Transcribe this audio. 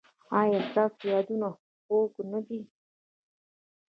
ایا ستاسو یادونه خوږه نه ده؟